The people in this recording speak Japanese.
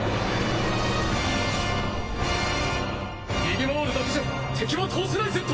逃げ回るだけじゃ敵は倒せないゼット！